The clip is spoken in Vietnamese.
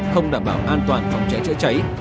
không đảm bảo an toàn phòng cháy chữa cháy